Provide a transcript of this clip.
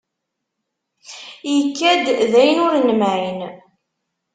Ikad-d d ayen ur nemεin.